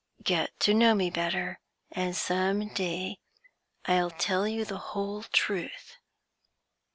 Get to know me better, and some day I'll tell you the whole truth.